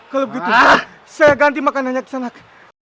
kalau begitu saya ganti makanannya kisangat